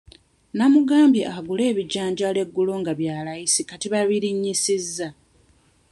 Nnamugambye agule ebijanjaalo eggulo nga bya layisi kati baabirinnyisizza.